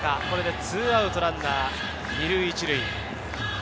これで２アウトランナー２塁１塁。